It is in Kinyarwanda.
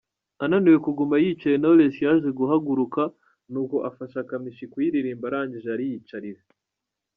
Ananiwe kuguma yicaye, Knowless yaje guhaguruka nuko afasha Kamichi kuyiririmba arangije ariyicarira.